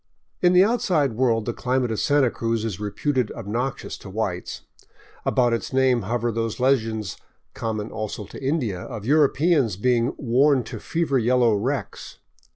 In the outside world the climate of Santa Cruz is reputed obnoxious to whites ; about its name hover those legends, common also to India, of Europeans being worn to fever yellow wrecks.